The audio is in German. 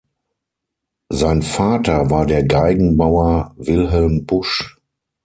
Sein Vater war der Geigenbauer Wilhelm Busch.